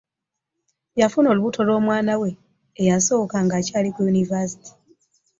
Yafuna olubuto lwo mwana we eyasoka nga akyali ku yunivasite.